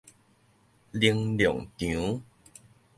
能量場